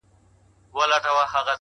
لم د انسان ارزښت زیاتوي’